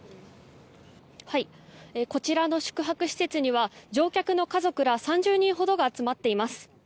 こちらの宿泊施設には乗客の家族ら３０人ほどが集まっています。